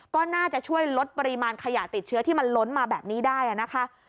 ก็น่าจะช่วยลดปริมาณขยะติดเชื้อที่มันล้นมาแบบนี้ได้นะคะ